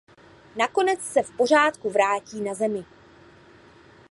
Nakonec se v pořádku vrátí na Zemi.